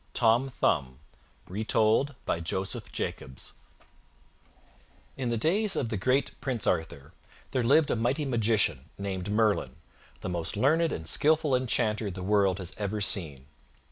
TOM THUMB Retold by Joseph Jacobs In the days of the great Prince Arthur, there lived a mighty magician, named Merlin, the most learned and skillful enchanter the world has ever seen.